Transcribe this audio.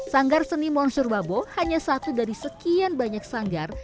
sanggar seni monsur babo hanya satu dari sekian banyak sanggar